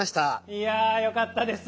いやぁよかったです。